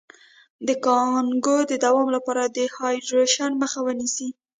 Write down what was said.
د کانګو د دوام لپاره د ډیهایډریشن مخه ونیسئ